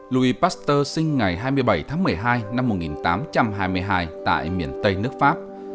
louis pasteur sinh ngày hai mươi bảy tháng một mươi hai năm một nghìn tám trăm hai mươi hai tại miền tây nước pháp